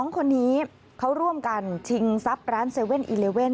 ๒คนนี้เขาร่วมกันชิงทรัพย์ร้าน๗๑๑